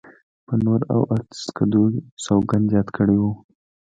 په نور او آتشکدو سوګند یاد کړی و.